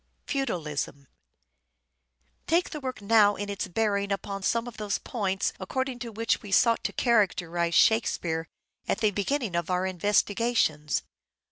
Feudalism. Take the work now in its bearing upon some of those points according to which we sought to characterize " Shakespeare " at the beginning of our investigations.